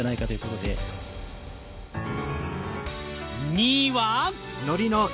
２位は？